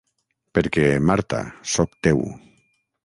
Perquè, Marta, sóc teu.